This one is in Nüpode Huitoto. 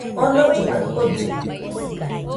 Omollɨ kaɨ kollɨ